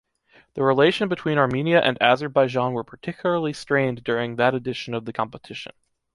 The relation between Armenia and Azerbaijan were particularly strained during that edition of the competition.